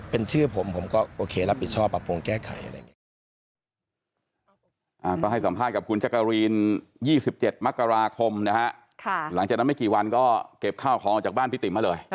เป็นชื่อผมผมก็โอเครับผิดชอบปรับปรุงแก้ไขอะไรอย่างนี้